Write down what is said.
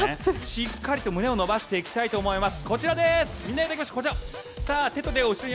しっかりと胸を伸ばしていきたいと思います。